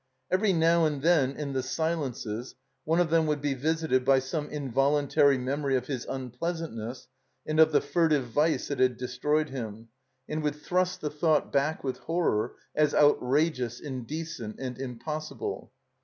Every now and then, in the silences, one of them would be visited by some involimtary memory of his impleasantness and of the furtive vice that had destroyed him, and would thrust the thought back with horror, as outrageous, indecent, and impossible.